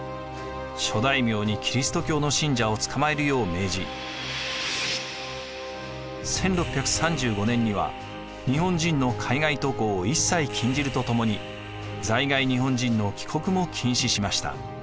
諸大名にキリスト教の信者を捕まえるよう命じ１６３５年には日本人の海外渡航を一切禁じるとともに在外日本人の帰国も禁止しました。